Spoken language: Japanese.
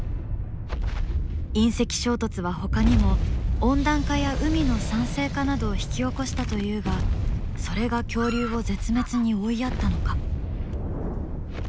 隕石衝突はほかにも温暖化や海の酸性化などを引き起こしたというがそれが恐竜を絶滅に追いやったのか？